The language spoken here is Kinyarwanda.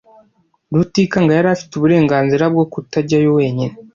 Rutikanga yari afite uburenganzira bwo kutajyayo wenyine.